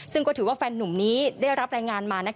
ซึ่งก็ถือว่าแฟนนุ่มนี้ได้รับรายงานมา